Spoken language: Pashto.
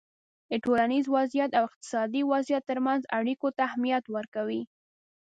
د ټولنیز وضععیت او اقتصادي وضعیت ترمنځ اړیکو ته اهمیت ورکوی